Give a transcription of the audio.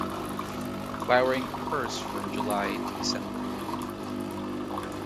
Flowering occurs from July to December.